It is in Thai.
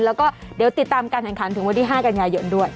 แล้วก็เดี๋ยวติดตามการแข่งขันถึงวันที่๕กันยายนด้วย